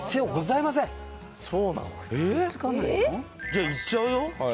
じゃあいっちゃうよ？